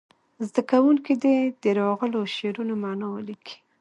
زده کوونکي دې د راغلو شعرونو معنا ولیکي.